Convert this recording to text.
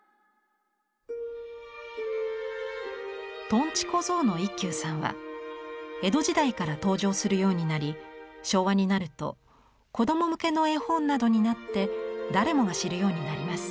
とんち小僧の一休さんは江戸時代から登場するようになり昭和になると子供向けの絵本などになって誰もが知るようになります。